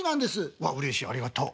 わっうれしいありがとう。